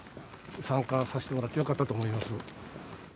参加させてもらってよかったと思います。